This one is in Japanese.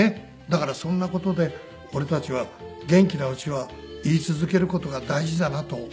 だからそんな事で俺たちは元気なうちは言い続ける事が大事だなと。